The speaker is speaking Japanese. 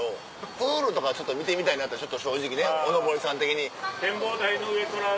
プールとか見てみたいなって正直ねお上りさん的に。